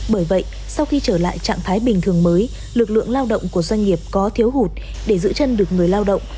bởi vậy sau khi trở lại trạng thái bình thường mới lực lượng lao động của doanh nghiệp có thiếu hụt để giữ chân được người lao động